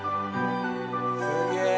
すげえ！